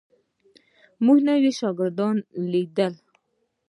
موږ نوي شاګردان لیدلي.